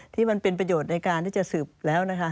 ที่เป็นประโยชน์ในการที่จะสืบแล้วนะคะ